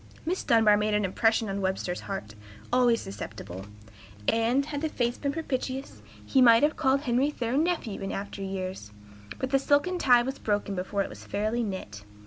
Miss Dunbar made an impression on Webster's heart, always susceptible, and, had the fates been propitious, he might have called Henry Thoreau nephew in after years; but the silken tie was broken before it was fairly knit.